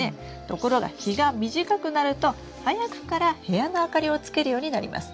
ところが日が短くなると早くから部屋の明かりをつけるようになります。